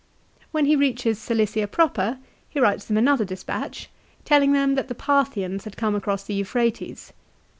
When he reaches Cilicia proper he writes them another despatch, telling them that the Parthians had come across the Euphrates.